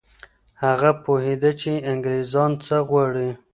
هغه پوهېده چي انګریزان څه غواړي.